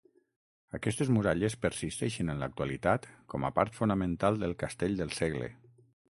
Aquestes muralles persisteixen en l'actualitat com a part fonamental del castell del segle.